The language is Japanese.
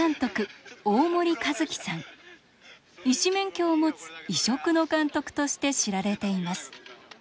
医師免許を持つ異色の監督として知られています。